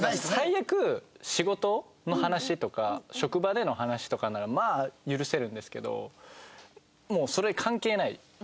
最悪仕事の話とか職場での話とかならまあ許せるんですけど。